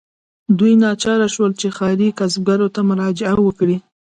دوی ناچاره شول چې ښاري کسبګرو ته مراجعه وکړي.